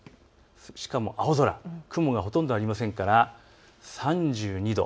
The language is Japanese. しかも青空、雲がほとんどありませんから３２度。